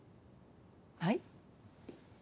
はい？